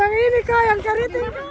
tangkap yang ini kok yang karit itu